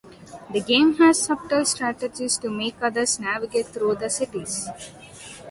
The game has subtle strategies to make others navigate through the cities.